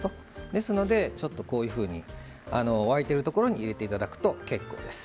ですのでちょっとこういうふうに沸いてるところに入れていただくと結構です。